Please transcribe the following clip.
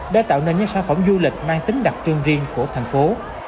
đã tạo nên những sản phẩm du lịch mang tính đặc trưng riêng của thành phố